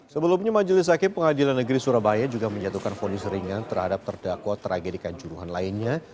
sebelumnya majelis akib pengadilan negeri surabaya juga menyatukan poni seringan terhadap terdakwa tragedikan juruhan lainnya